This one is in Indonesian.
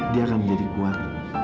dia akan menjadi kuat